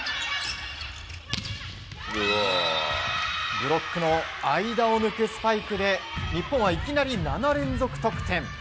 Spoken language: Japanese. ブロックの間を抜くスパイクで日本はいきなり７連続得点。